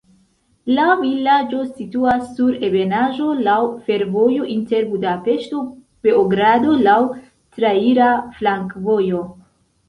La vilaĝo situas sur ebenaĵo, laŭ fervojo inter Budapeŝto-Beogrado, laŭ traira flankovojo.